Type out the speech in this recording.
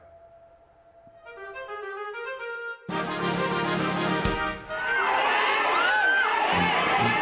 เฮ่ย